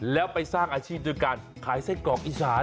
แล้วไปสร้างอาชีพด้วยการขายไส้กรอกอีสาน